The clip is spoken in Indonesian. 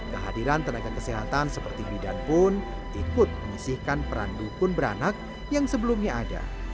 kehadiran tenaga kesehatan seperti bidan pun ikut menyisihkan peran dukun beranak yang sebelumnya ada